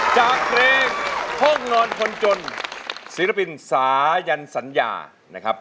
จากเพลงห้องนอนคนจนศิลปินสายันสัญญานะครับ